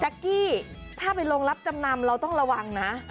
กี้ถ้าไปลงรับจำนำเราต้องระวังนะ